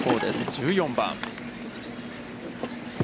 １４番。